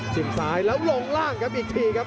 ซ้ายแล้วลงล่างครับอีกทีครับ